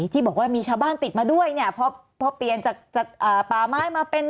ที่บอกว่ามีชาวบ้านติดมาด้วยเนี่ยพอเปลี่ยนจากป่าไม้มาเป็น